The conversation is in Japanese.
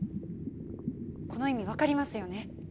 この意味分かりますよね？